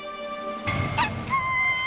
たっかい！